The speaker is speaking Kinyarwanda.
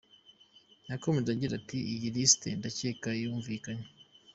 Yakomeje agira ati “ Iyi lisiti ndakeka ko yumvikana.